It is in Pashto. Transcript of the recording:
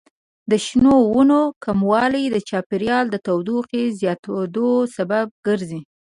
د شنو ونو کموالی د چاپیریال د تودوخې زیاتیدو سبب ګرځي.